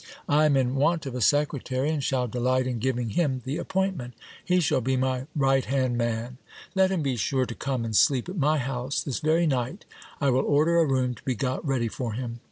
I am in want of a secretary, and shall delight in giving him the appointment : he shall be my right hand man. Let him be sure to come and sleep at my house this very night ; I will order a room to be got ready for him.